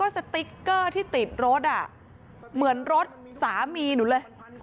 สติ๊กเกอร์ที่ติดรถเหมือนรถสามีหนูเลย